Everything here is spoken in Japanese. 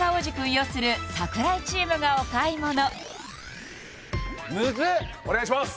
擁する櫻井チームがお買い物お願いします